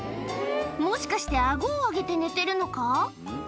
もしかして顎を上げて寝てるのか？